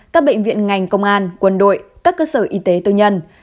các bệnh viện ngành công an quân đội các cơ sở y tế tư nhân